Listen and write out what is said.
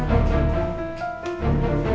tiffy buat apa